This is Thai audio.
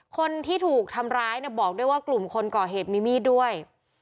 คนที่ถูกทำร้ายเนี่ยบอกด้วยว่ากลุ่มคนก่อเหตุมีมีดด้วย